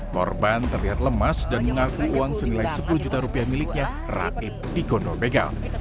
korban terlihat lemas dan mengaku uang senilai sepuluh juta rupiah miliknya raib di kondor begal